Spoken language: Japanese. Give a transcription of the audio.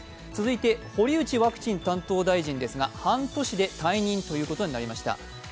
続いて、堀内ワクチン担当大臣ですが半年で退任ということになりました。